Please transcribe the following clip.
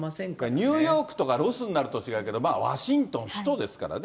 ニューヨークとかロスになると違うけど、ワシントン、首都ですからね。